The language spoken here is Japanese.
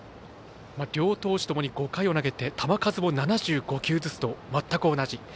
両投手ともに５回を投げて球数も７５球ずつと、全く同じ。